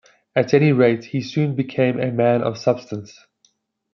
At any rate, he soon became a man of substance.